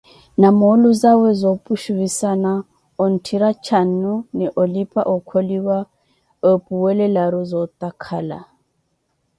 Na moolu zawe zoopuxhuwisana, ootthira cannu ni olipa okholiwa epuwelelaru zootakhala.